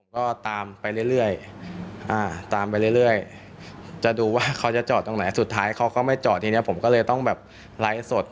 ก็ตามไปเรื่อยตามไปเรื่อยจะดูว่าเขาจะจอดตรงไหนสุดท้ายเขาก็ไม่จอดทีนี้ผมก็เลยต้องแบบไลฟ์สด